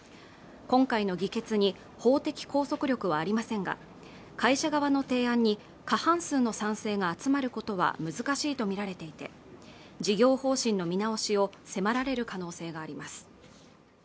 今回の議決に法的拘束力はありませんが会社側の提案に過半数の賛成が集まることは難しいと見られていて事業方針の見直しを迫られる可能性があります